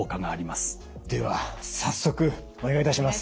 では早速お願いいたします。